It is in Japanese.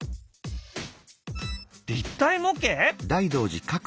立体模型！？